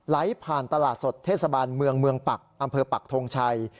ไหลผ่านตลาดสดเทศบาลเมืองเมืองปักอำเภอปักทงชัย